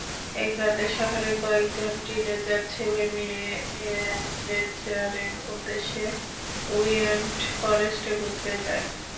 এক রাতে শহরের কয়েকজন টিনেজার ছেলেমেয়ে এডভেঞ্চারের উদ্দেশ্যে উইন্ডেন ফরেস্টে ঘুরতে যায়।